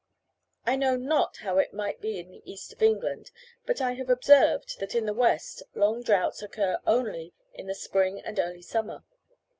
I know not how it may be in the east of England, but I have observed that in the west long droughts occur only in the spring and early summer.